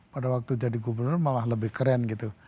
pada waktu jadi gubernur malah lebih keren gitu